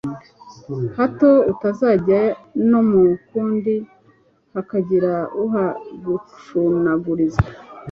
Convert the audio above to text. hato utazajya no mu k'undi hakagira uhagucunaguriza